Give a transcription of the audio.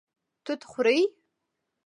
توت خوري